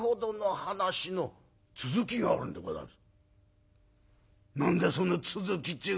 この先があるんでございます。